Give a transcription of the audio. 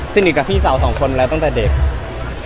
สนิกกับพี่สาว๒คนมาแล้วตั้งแต่เด็ก